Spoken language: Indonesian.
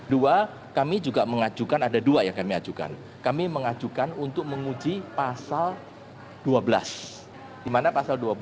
dua kami juga mengajukan ada dua yang kami ajukan kami mengajukan untuk menguji pasal dua belas dimana pasal dua belas